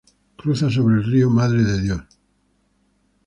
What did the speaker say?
Cruza sobre el río Madre de Dios.